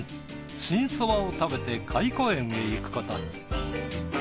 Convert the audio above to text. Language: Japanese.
新そばを食べて懐古園へ行くことに。